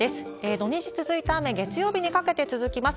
土日続いた雨、月曜日にかけて続きます。